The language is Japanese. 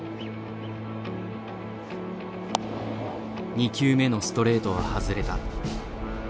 ２球目のストレートは外れた。